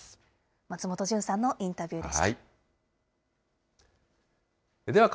松本潤さんのインタビューでした。